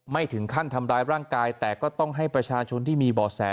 ไม่ถึงขั้นทำร้ายร่างกายแต่ก็ต้องให้ประชาชนที่มีบ่อแส